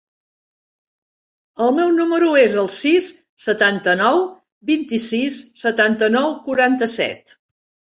El meu número es el sis, setanta-nou, vint-i-sis, setanta-nou, quaranta-set.